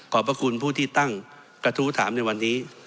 พระคุณผู้ที่ตั้งกระทู้ถามในวันนี้